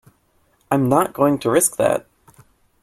I'm not going to risk that!